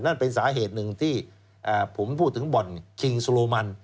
นั่นเป็นสาเหตุหนึ่งที่ผมพูดถึงบ่อนคิงโซโลมัน